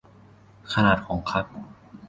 ขนาดของคัพ